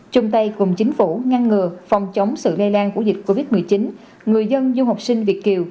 chung tay cùng chính phủ ngăn ngừa phòng chống sự lây lan của dịch covid một mươi chín người dân du học sinh việt kiều